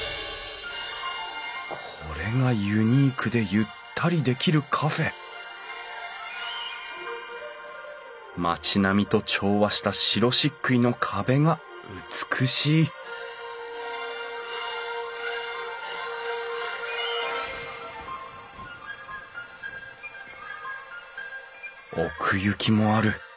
これがユニークでゆったりできるカフェ町並みと調和した白しっくいの壁が美しい奥行きもある。